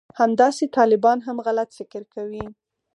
همداسې طالبان هم غلط فکر کوي